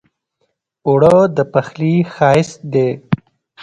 اوړه د پخلي ښايست دی